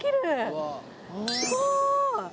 すごーい！